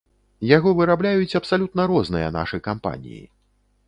Яго вырабляюць абсалютна розныя нашы кампаніі.